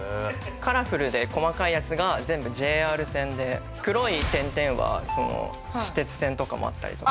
カラフルで細かいやつが全部ＪＲ線で黒い点々は私鉄線とかもあったりとか。